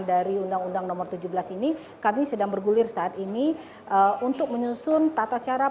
dari undang undang nomor tujuh belas ini kami sedang bergulir saat ini untuk menyusun tata cara